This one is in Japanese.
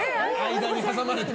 間に挟まれて。